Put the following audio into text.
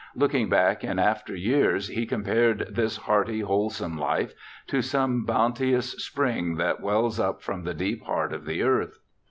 Looking back in after years, he compared this hearty, wholesome life to some bounteous spring that wells up from the deep heart of the earth.